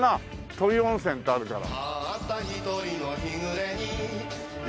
土肥温泉ってあるから。